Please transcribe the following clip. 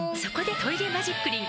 「トイレマジックリン」